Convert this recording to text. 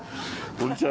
こんにちは。